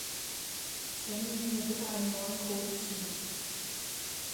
Senden Sie mir bitte einen neuen Code zu.